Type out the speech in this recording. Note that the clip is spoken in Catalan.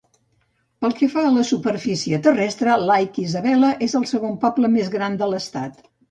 Pel que fa a la superfície terrestre, Lake Isabella és el segon poble més gran de l'estat.